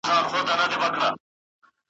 د دې وخت د زاهدانو په قرآن اعتبار نسته `